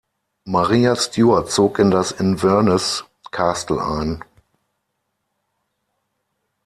Maria Stuart zog in das Inverness Castle ein.